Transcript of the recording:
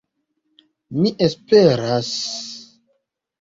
Mi esperas...